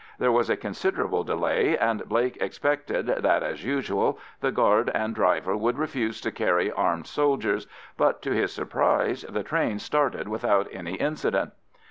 There was a considerable delay, and Blake expected that, as usual, the guard and driver would refuse to carry armed soldiers, but to his surprise the train started without any incident.